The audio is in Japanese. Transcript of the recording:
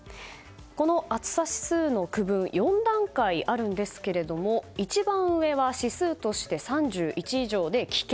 この暑さ指数の区分４段階あるんですけども一番上は指数として３１以上で危険。